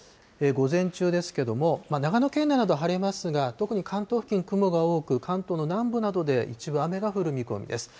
午前中ですけども、長野県内などは晴れますが、特に関東付近、雲が多く、関東の南部などで一部雨が降る見込みです。